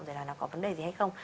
rồi là nó có vấn đề gì hay không